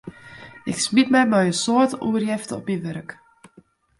Ik smiet my mei in soad oerjefte op myn wurk.